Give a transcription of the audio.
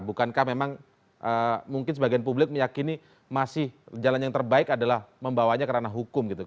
bukankah memang mungkin sebagian publik meyakini masih jalan yang terbaik adalah membawanya kerana hukum gitu